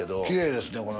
きれいですね